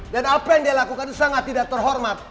dan apa yang dia lakukan sangat tidak terhormat